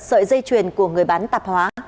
sợi dây chuyền của người bán tạp hóa